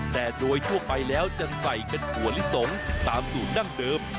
แต่โดยทั่วไปแล้วจะใส่เป็นถั่วลิสงตามสูตรดั้งเดิม